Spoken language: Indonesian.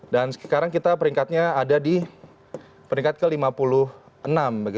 dan sekarang kita peringkatnya ada di peringkat ke lima puluh enam